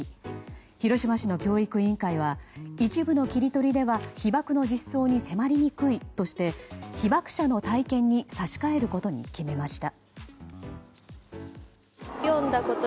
広島市の教育委員会は一部の切り取りでは被爆の実相に迫りにくいとして被爆者の体験に差し替えることに決めました。